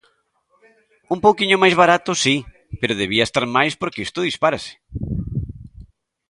Un pouquiño máis barato si, pero debía estar máis porque isto dispárase.